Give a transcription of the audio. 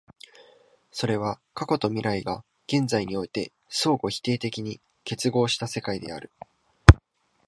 それは過去と未来が現在において相互否定的に結合した世界である。